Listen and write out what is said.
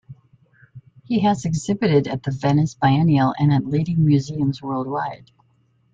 He has exhibited at the Venice Biennial and at leading museums worldwide.